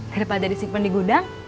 daripada disimpan di gudang